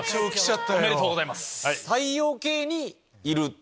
おめでとうございます！